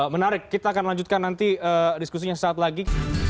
menarik kita akan lanjutkan nanti diskusinya sesaat lagi